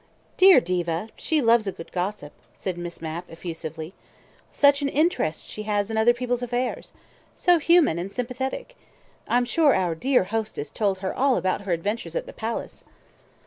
"Dear Diva; she loves a good gossip," said Miss Mapp effusively. "Such an interest she has in other people's affairs. So human and sympathetic. I'm sure our dear hostess told her all about her adventures at the Palace."